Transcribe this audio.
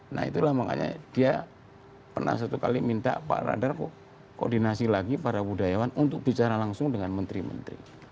nah itulah makanya dia pernah satu kali minta pak radar koordinasi lagi para budayawan untuk bicara langsung dengan menteri menteri